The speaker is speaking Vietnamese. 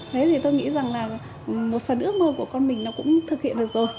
thế thì tôi nghĩ rằng là một phần ước mơ của con mình nó cũng thực hiện được rồi